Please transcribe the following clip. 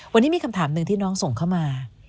วันนี้มีคำถามหนึ่งที่น้องส่งเข้ามา